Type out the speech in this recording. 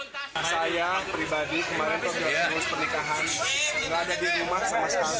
saya pribadi kemarin bonus pernikahan nggak ada di rumah sama sekali